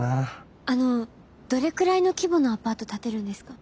あのどれくらいの規模のアパート建てるんですか？